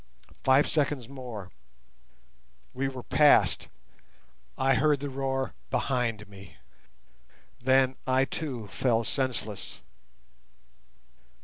Five seconds more. We were past; I heard the roar behind me. Then I too fell senseless.